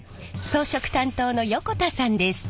装飾担当の横田さんです。